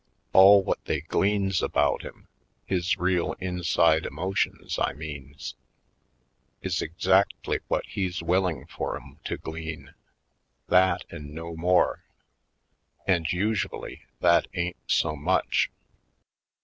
All what they gleans about him — his real inside emotions, I means — is exactly what he's willing for 'em to glean; that and no more. And usually that ain't so much.